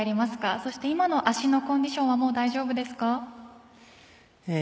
そして今の足のコンディションはもう大丈夫ですか？